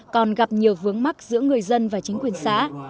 còn gặp nhiều vướng mắt giữa người dân và chính quyền xã